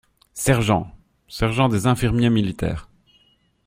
Sergent !… sergent des infirmiers militaires.